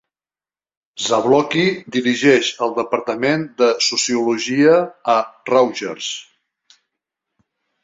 Zablocki dirigeix el departament de Sociologia a Rutgers.